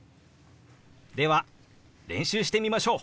では練習してみましょう！